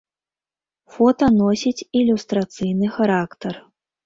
Фота носіць ілюстрацыйны характар.